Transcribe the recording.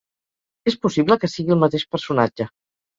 És possible que sigui el mateix personatge.